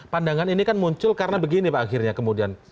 jadi ini kan muncul karena begini pak akhirnya kemudian